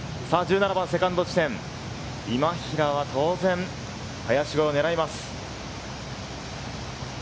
１７番、セカンド地点の今平は当然、林越えを狙います。